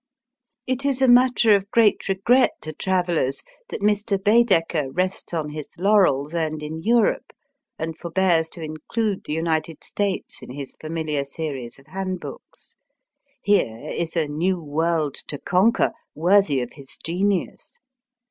It is a matter of great regret to travellers that Mr. Baedeker rests on his laurels earned in Europe, and forbears to include the United States in his familiar series of handbooks. Here is a new world to conquer, worthy of his genius.